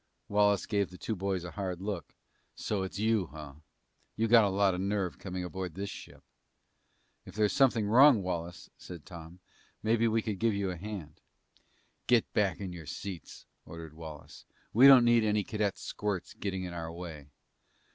Wallace gave the two boys a hard look. "So it's you, huh? You got a lot of nerve coming aboard this ship." "If there's something wrong, Wallace," said Tom, "maybe we could give you a hand." "Get back in your seats," ordered Wallace. "We don't need any cadet squirts getting in our way!"